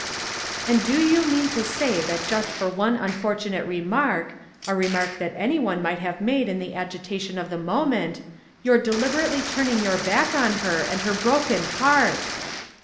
"And do you mean to say that just for one unfortunate remark a remark that any one might have made in the agitation of the moment you're deliberately turning your back on her, and her broken heart!"